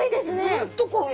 本当濃い。